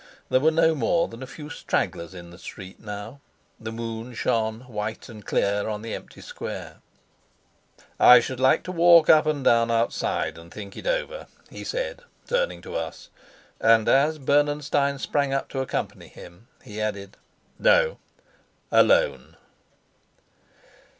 There were no more than a few stragglers in the street now; the moon shone white and clear on the empty square. "I should like to walk up and down outside and think it over," he said, turning to us; and, as Bernenstein sprang up to accompany him, he added, "No. Alone."